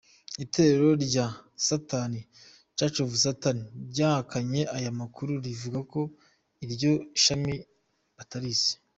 Itorero rya Satani, Church of Satan ryahakanye aya makuru rivuga ko iryo shami batarizi.